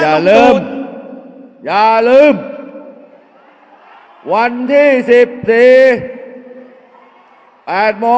อย่าให้ลุงตู่สู้คนเดียว